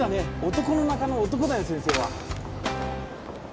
男の中の男だよ先生は。